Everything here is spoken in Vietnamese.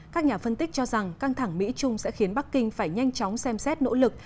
các nhà phân tích cho rằng căng thẳng mỹ trung sẽ khiến bắc kinh phải nhanh chóng xem xét nỗ lực